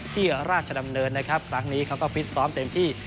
ราชดำเนินนะครับครั้งนี้เขาก็ฟิตซ้อมเต็มที่